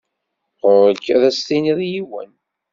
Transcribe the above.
Ɣuṛ-k ad as-tiniḍ i yiwen.